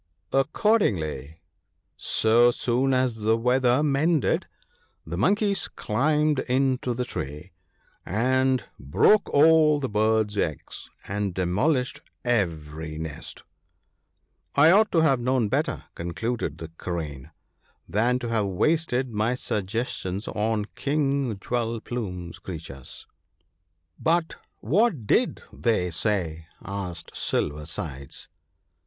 Accordingly, so soon as the weather mended, the Monkeys climbed into 90 THE BOOK OF GOOD COUNSELS. the tree, and broke all the bird's eggs and demolished every nest. I ought to have known better/ concluded the Crane, * than to have wasted my suggestions on King Jewel plume's creatures.' ' But what did they say ?' asked Silver sides.